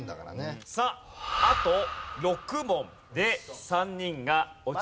さああと６問で３人が落ちる。